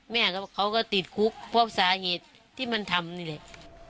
แม่เขาก็ติดคุกพวกสาหงีที่มันทำนี่เลย